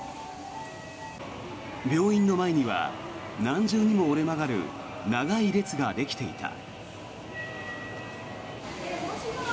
病院の前には何重にも折れ曲がる長い列ができていた。